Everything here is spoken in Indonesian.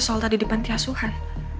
soal tadi di pantiasuhan